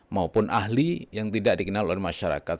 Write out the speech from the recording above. maupun ahli yang tidak dikenal oleh masyarakat